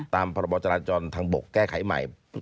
ตามพรบจราจรทางบกแก้ไขใหม่